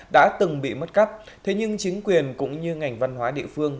đã từng bị mất cắp thế nhưng chính quyền cũng như ngành văn hóa địa phương